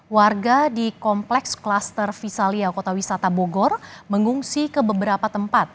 warga di kompleks klaster visalia kota wisata bogor mengungsi ke beberapa tempat